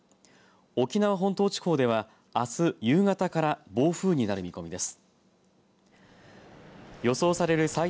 沖縄本島地方ではあす夕方から暴風になる見込みです。